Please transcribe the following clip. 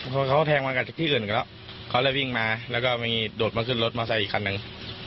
พอเขาแทงมากันจากที่อื่นกันแล้วเขาเลยวิ่งมาแล้วก็มีโดดมาขึ้นรถมอไซค์อีกคันหนึ่ง